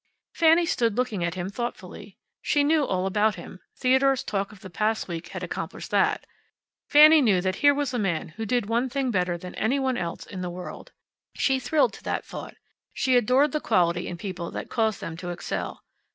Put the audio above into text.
Fanny stood looking at him thoughtfully. She knew all about him. Theodore's talk of the past week had accomplished that. Fanny knew that here was a man who did one thing better than any one else in the world. She thrilled to that thought. She adored the quality in people that caused them to excel.